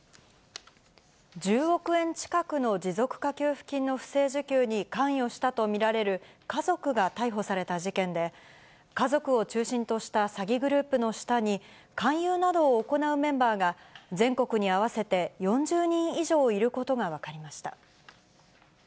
１０億円近くの持続化給付金の不正受給に関与したと見られる家族が逮捕された事件で、家族を中心とした詐欺グループの下に、勧誘などを行うメンバーが、全国に合わせて４０人以上いることが分かりました。